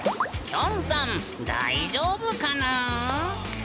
きょんさん大丈夫かぬん？